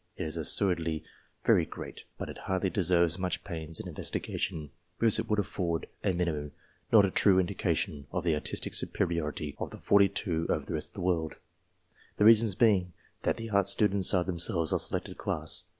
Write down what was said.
It is assuredly very great, but it hardly deserves much pains in investigation, because it would afford a minimum, not a true indication of the artistic superiority of the forty two over the rest of the world : the reason being, that the art students are themselves a selected class.